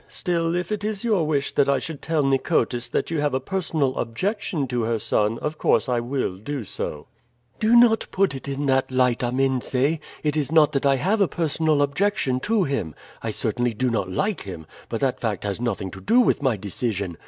Still, if it is your wish that I should tell Nicotis that you have a personal objection to her son, of course I will do so." "Do not put it that light, Amense. It is not that I have a personal objection to him. I certainly do not like him, but that fact has nothing to do with my decision.